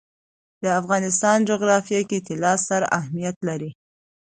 د افغانستان جغرافیه کې طلا ستر اهمیت لري.